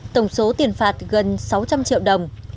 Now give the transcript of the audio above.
tổng số tiền phạt gần sáu trăm linh triệu đồng